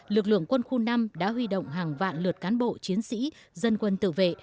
lực lượng quân khu năm đã huy động hàng vạn lượt cán bộ chiến sĩ dân quân tự vệ